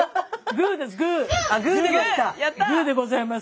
グーでございます。